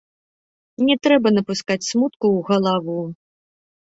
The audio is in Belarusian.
Не трэба напускаць смутку ў галаву.